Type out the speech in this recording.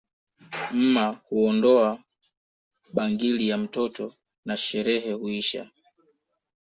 Mma huondoa bangili ya mtoto na sherehe huisha